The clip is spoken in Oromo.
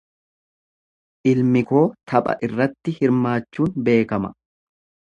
Ilmi koo tapha irratti hirmaachuun beekama.